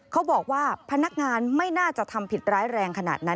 เขาบอกว่าพนักงานไม่น่าจะทำผิดร้ายแรงขนาดนั้น